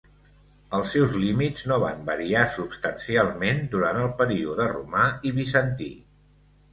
Els seus límits no van variar substancialment durant el període romà i bizantí.